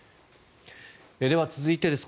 では、続いてです。